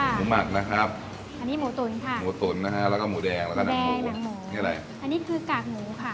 หมูหมักค่ะอันนี้หมูตุ๋นค่ะแล้วก็หมูแดงแล้วก็หนักหมูอันนี้คือกากหมูค่ะ